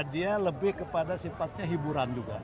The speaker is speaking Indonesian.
dia lebih kepada sifatnya hiburan juga